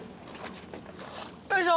よいしょ！